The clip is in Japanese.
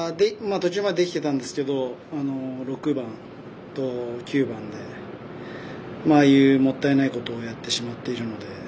途中までできてたんですけど６番と９番で、ああいうもったいないことをやってしまっているので。